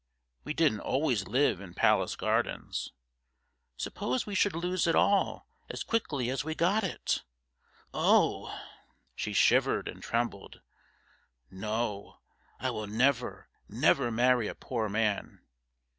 We didn't always live in Palace Gardens. Suppose we should lose it all as quickly as we got it. Oh!' she shivered and trembled. 'No, I will never, never marry a poor man.